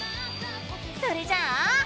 それじゃあ！